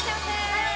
はい！